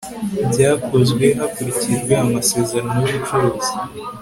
byakozwe hakurikijwe amasezerano y'ubucuruzi